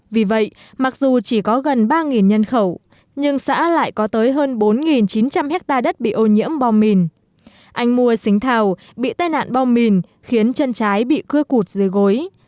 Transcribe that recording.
vì vậy mặc dù chỉ có gần ba nhân khẩu nhưng xã lại có tới hơn bốn chín trăm linh hectare đất bị ô nhiễm bom mìn anh mua xính thảo bị tai nạn bom mìn khiến chân trái bị cưa cụt dưới gối